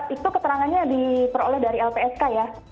itu keterangannya diperoleh dari lpsk ya